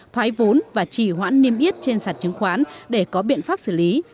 thoái vốn và chỉ hoãn niêm yết trên sản chứng khoán để có biện pháp xử lý